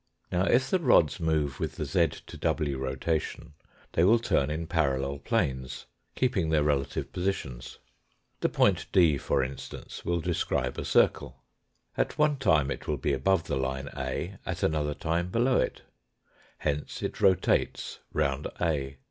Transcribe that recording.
Now, if the rods move with the z to w rotation they will 216 THE FOURTH DIMENSION turn in parallel planes, keeping their relative positions. The point D, for instance, will describe a circle. At one time it will be above the line A, at another time below it. Hence it rotates round A.